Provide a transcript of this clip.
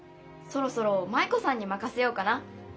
そろそろ舞子さんにまかせようかな。